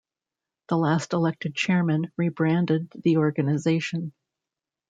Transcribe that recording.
The last elected chairman re-branded the organisation.